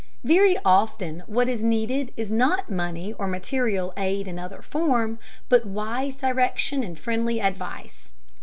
Very often what is needed is not money or material aid in other form, but wise direction and friendly advice.